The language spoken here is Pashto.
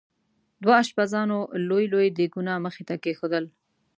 دوه اشپزانو لوی لوی دیګونه مخې ته کېښودل.